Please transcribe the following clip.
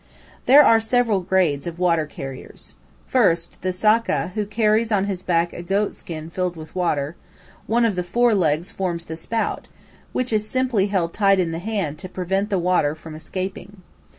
There are several grades of water carriers. First, the "sakka," who carries on his back a goat skin filled with water; one of the fore legs forms the spout, which is simply held tight in the hand to prevent the water from escaping.